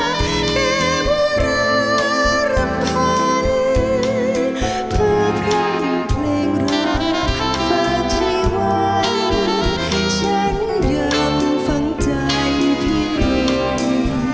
เพื่อพร้อมเพลงรักฝากให้วันฉันยังฟังใจเพียงหนึ่ง